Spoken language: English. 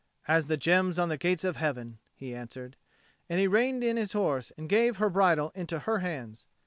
"As the gems on the Gates of Heaven," he answered; and he reined in his horse and gave her bridle into her hands.